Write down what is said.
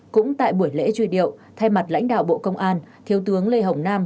cũng tại buổi lễ truy điệu thay mặt lãnh đạo bộ công an thiếu tướng lê hồng nam